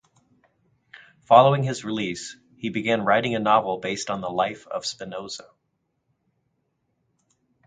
Following his release, he began writing a novel based on the life of Spinoza.